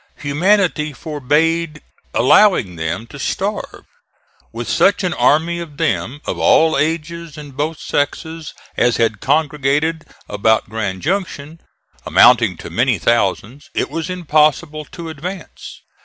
Humanity forbade allowing them to starve. With such an army of them, of all ages and both sexes, as had congregated about Grand Junction, amounting to many thousands, it was impossible to advance.